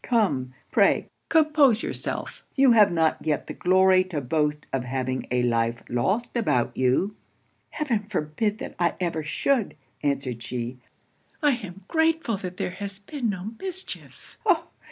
Come, pray compose yourself you have not yet the glory to boast of having a life lost about you.' 'Heaven forbid that I ever should!' answered she 'I am grateful that there has been no mischief! Oh!